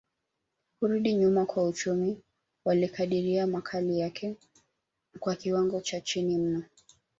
kurudi nyuma kwa uchumi walikadiria makali yake kwa kiwango cha chini mno